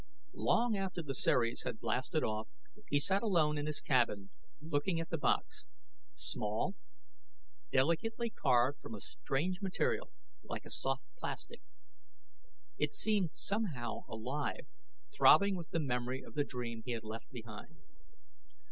Long after the Ceres had blasted off, he sat alone in his cabin looking at the box small, delicately carved from a strange material, like a soft plastic. It seemed somehow alive, throbbing with the memory of the dream he had left behind.